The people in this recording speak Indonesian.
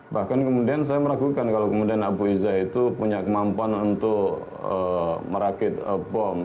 bahkan kemudian saya meragukan kalau kemudian abu iza itu punya kemampuan untuk merakit bom